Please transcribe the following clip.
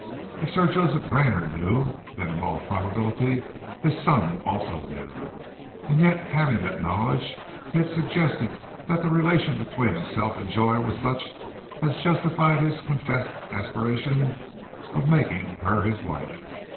If Sir Joseph Rayner knew, then in all probability his son also knew, and yet having that knowledge he had suggested that the relation between himself and Joy was such as justified his confessed aspiration of making her his wife.